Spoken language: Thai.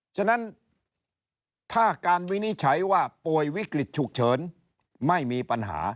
ฉะนั้นถ้าการวินิจฉัยว่าป่วยวิกฤตฉุกเฉินไม่มีปัญหา